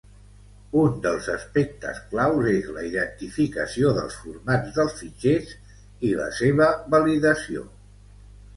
Un dels aspectes clau, és la identificació dels formats dels fitxers i la seva validació.